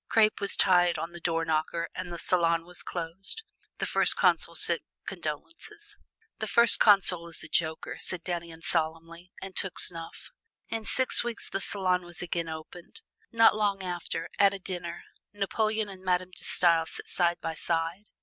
Crape was tied on the door knocker and the salon was closed. The First Consul sent condolences. "The First Consul is a joker," said Dannion solemnly, and took snuff. In six weeks the salon was again opened. Not long after, at a dinner, Napoleon and Madame De Stael sat side by side.